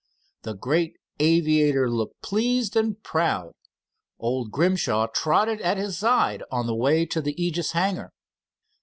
The great aviator looked please and proud. Old Grimshaw trotted at his side on the way to the Aegis hangar.